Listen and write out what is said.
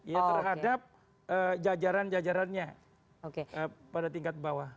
ya terhadap jajaran jajarannya pada tingkat bawah